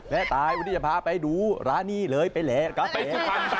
และตายวันนี้จะพาไปดูร้านนี้เลยไปแหลดกาแฟ